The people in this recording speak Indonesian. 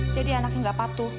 jadi anaknya tidak patuh